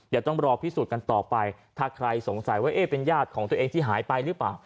เดี๋ยวต้องรอพิสูจน์กันต่อไปถ้าใครสงสัยว่าเอ๊ะเป็นญาติของตัวเองที่หายไปหรือเปล่า